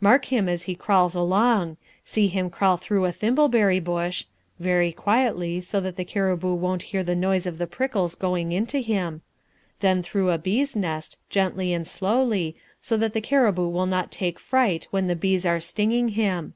Mark him as he crawls along; see him crawl through a thimbleberry bush (very quietly so that the cariboo won't hear the noise of the prickles going into him), then through a bee's nest, gently and slowly, so that the cariboo will not take fright when the bees are stinging him.